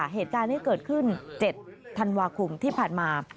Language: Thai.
เหตุการณ์นี้เกิดขึ้น๗ธันวาคมที่ผ่านมา